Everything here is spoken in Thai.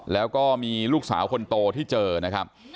แล้วก็มีลูกสาวคนโตที่เจอนะครับ